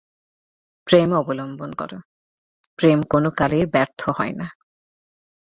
প্রেম অবলন্বন কর, প্রেম কোন কালে ব্যর্থ হয় না।